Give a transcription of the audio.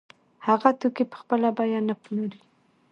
هغه توکي په خپله بیه نه پلوري